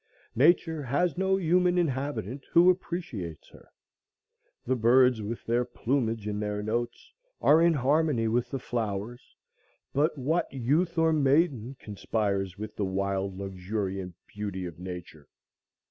Nature has no human inhabitant who appreciates her. The birds with their plumage and their notes are in harmony with the flowers, but what youth or maiden conspires with the wild luxuriant beauty of Nature?